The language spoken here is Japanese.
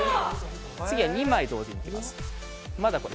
次は２枚同時にいきます。